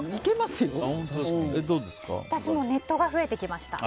私もネットが増えてきました。